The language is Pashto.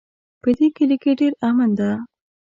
په دې کلي کې ډېر امن ده